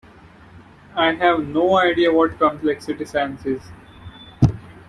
I have no idea what complexity science is.